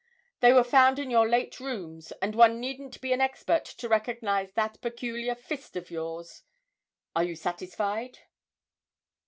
They were found in your late rooms, and one needn't be an expert to recognise that peculiar fist of yours. Are you satisfied?'